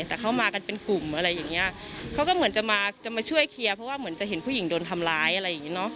แต่เข้ามากันเป็นกลุ่มอะไรอย่างเงี้ยเขาก็เหมือนจะมาจะมาช่วยเคลียร์เพราะว่าเหมือนจะเห็นผู้หญิงโดนทำร้ายอะไรอย่างงี้เนอะ